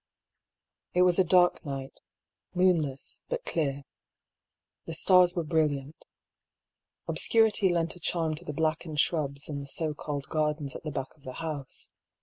It was a dark night — moonless, but clear. The stars were brilliant. Obscurity lent a charm to the blackened shrubs in the so called gardens at the back of the house.